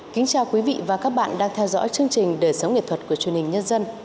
kính chào quý vị và các bạn đang theo dõi chương trình đời sống nghệ thuật của truyền hình nhân dân